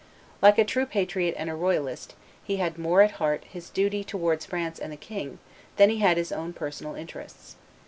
Like a true patriot and royalist, he had more at heart his duty towards France and the king than he had his own personal interests.